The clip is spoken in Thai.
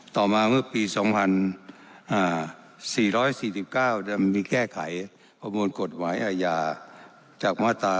ต่อมาเมื่อปี๒๔๔๙มีแก้ไขประมวลกฎหมายอาญา